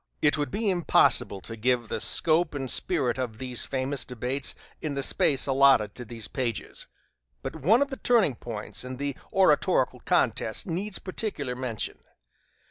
It would be impossible to give the scope and spirit of these famous debates in the space allotted to these pages, but one of the turning points in the oratorical contest needs particular mention.